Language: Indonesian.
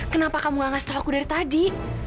kenapa kamu gak ngasih tahu aku dari tadi